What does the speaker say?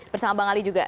bersama bang ali juga